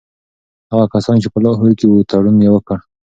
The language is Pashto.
هغه کسان چي په لاهور کي وو تړون یې وکړ.